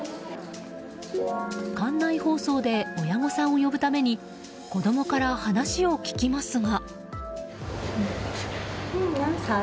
館内放送で親御さんを呼ぶために子供から話を聞きますが。